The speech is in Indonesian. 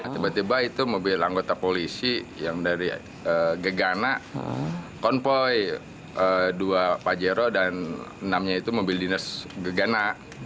tiba tiba itu mobil anggota polisi yang dari gegana konvoy dua pajero dan enam nya itu mobil dinas gegana